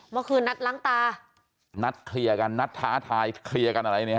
เมื่อคืนนัดล้างตานัดเคลียร์กันนัดท้าทายเคลียร์กันอะไรเนี่ยฮ